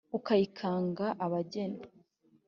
ukayikanga abageni.